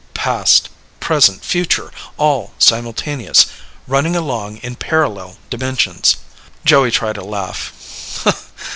"Past, present, future all simultaneous. Running along in parallel dimensions." Joey tried a laugh.